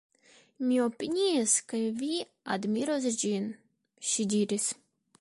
Mi opiniis ke vi admiros ĝin, ŝi diris.